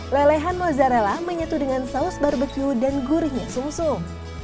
lelehan mozzarella menyatu dengan saus barbecue dan gurihnya sum sum